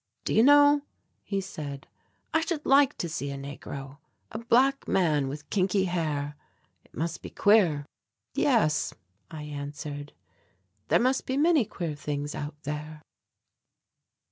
"Do you know," he said, "I should like to see a negro, a black man with kinky hair it must be queer." "Yes," I answered, "there must be many queer things out there."